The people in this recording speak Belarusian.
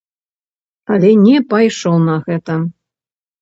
Але не пайшоў на гэта.